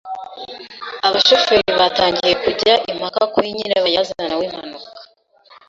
Abashoferi batangiye kujya impaka ku nyirabayazana w'impanuka.